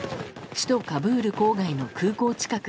首都カブール郊外の空港近く。